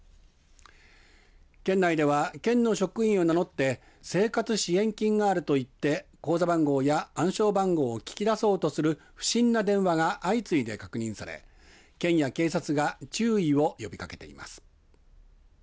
県内では県の職員を名乗って生活支援金があるといって口座番号や暗証番号を聞き出そうとする不審な電話が相次いで確認され県や警察が注意を呼びかけています。